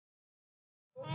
bu man om dari mana